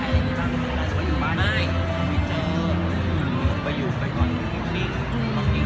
อยากให้ออกถึงโถอยเป็นไง